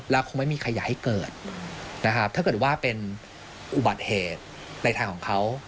แล้วคงไม่มีใครอยากให้เกิดนะครับถ้าเกิดว่าเป็นอุบัติเหตุในทางของเขา